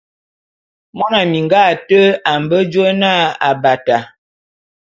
Mona minga ate a mbe jôé na Abata.